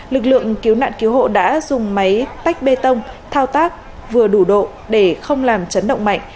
lực lượng cứu nạn cứu hộ đã dùng máy tách bê tông thao tác vừa đủ độ để không làm chấn động mạnh